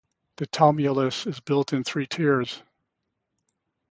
The tumulus is built in three tiers.